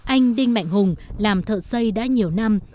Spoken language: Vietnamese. anh đinh mạnh hùng làm thợ xây đã nhiều năm